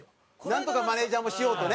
なんとかマネージャーもしようとね。